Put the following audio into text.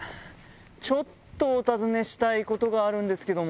ちょっとお尋ねしたいことがあるんですけども。